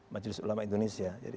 majelis ulama indonesia